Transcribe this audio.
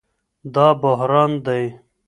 دا بحران دئ